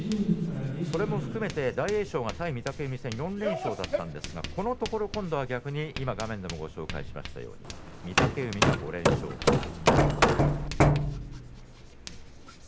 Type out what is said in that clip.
それも含めて大栄翔が対御嶽海戦４連勝だったんですがこのところ逆に今画面でご紹介しましたように御嶽海が５連勝中。